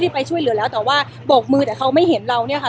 ไปช่วยเหลือแล้วแต่ว่าโบกมือแต่เขาไม่เห็นเราเนี่ยค่ะ